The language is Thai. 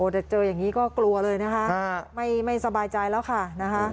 แต่เจออย่างนี้ก็กลัวเลยนะคะไม่สบายใจแล้วค่ะนะคะ